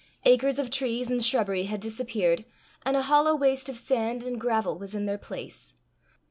Acres of trees and shrubbery had disappeared, and a hollow waste of sand and gravel was in their place.